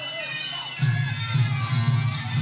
ขอครับ